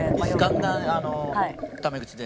ガンガンため口で。